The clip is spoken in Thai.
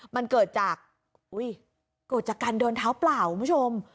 มันเกิดจากเกิดจากการเดินเท้าเปล่าคุณผู้ชม